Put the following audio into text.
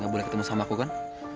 gak boleh ketemu sama aku kan